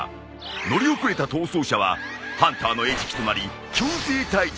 乗り遅れた逃走者はハンターの餌食となり強制退場。